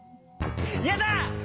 やだ！